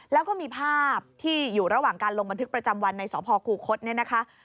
แล้วก็มีภาพที่อยู่ระหว่างการลงบันทึกประจำวันในสพคูคศเนี่ยนะคะ